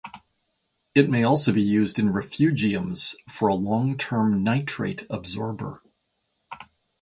It may also be used in refugiums for a long term nitrite absorber.